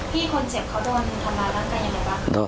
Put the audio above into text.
พี่คนเจ็บเขาโดนทำร้ายร่างกายยังไงบ้าง